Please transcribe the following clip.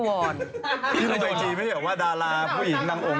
โอ้ตาย